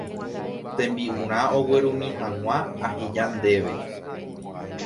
tembi'urã aguerumi hag̃ua aheja ndéve